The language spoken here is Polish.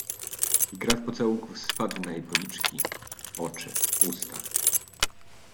"I grad pocałunków spadł na jej policzki, oczy, usta..."